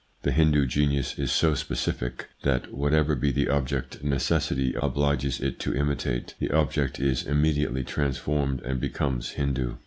The Hindu genius is so specific that, whatever be the object necessity obliges it to imitate, the object is immediately transformed and becomes Hindu.